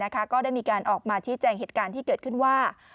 ก็ได้มีการออกมาชี้แจงเหตุการณ์ที่เกิดขึ้นว่า